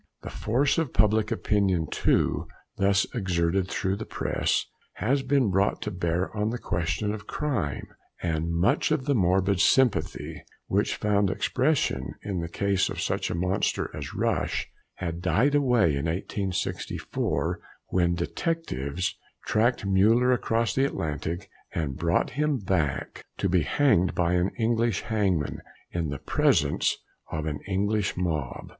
The force of public opinion, too, thus exerted through the Press, has been brought to bear on the question of crime, and much of the morbid sympathy which found expression in the case of such a monster as Rush, had died away in 1864, when detectives tracked Müller across the Atlantic, and brought him back to be hanged by an English hangman, in the presence of an English mob.